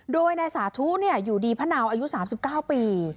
โดยนายสาธุอยู่ดีพะเนาอายุ๓๙ปี